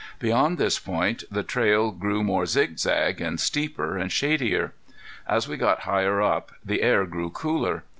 Beyond this point the trail grew more zigzag, and steeper, and shadier. As we got higher up the air grew cooler.